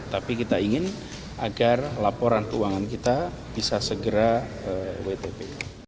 tapi kita ingin agar laporan keuangan kita bisa segera wtp